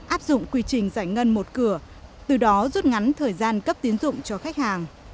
áp dụng quy trình giải ngân một cửa từ đó rút ngắn thời gian cấp tiến dụng cho khách hàng